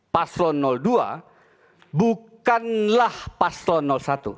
paslon dua bukanlah paslon satu